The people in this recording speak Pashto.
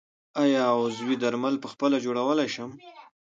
آیا عضوي درمل پخپله جوړولی شم؟